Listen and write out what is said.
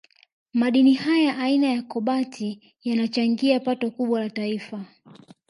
Madini haya aina ya Kobalti yanachangia pato kubwa kwa Taifa